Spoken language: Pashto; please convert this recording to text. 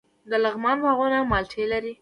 د لغمان باغونه مالټې لري.